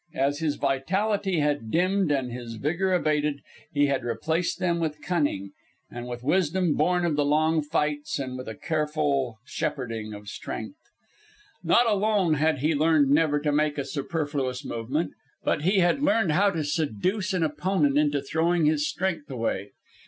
As his vitality had dimmed and his vigour abated, he had replaced them with cunning, with wisdom born of the long fights and with a careful shepherding of strength. Not alone had he learned never to make a superfluous movement, but he had learned how to seduce an opponent into throwing his strength away.